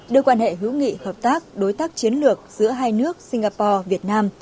đưa quan hệ hữu nghị hợp tác đối tác chiến lược giữa hai nước singapore việt nam